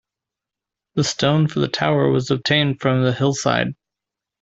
The stone for the tower was obtained from the hillside.